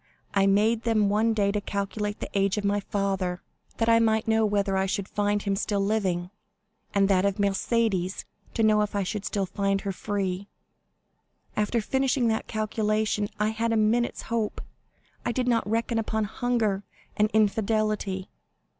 I made them one day to calculate the age of my father, that I might know whether I should find him still living, and that of Mercédès, to know if I should find her still free. After finishing that calculation, I had a minute's hope. I did not reckon upon hunger and infidelity!"